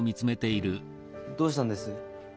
どうしたんです？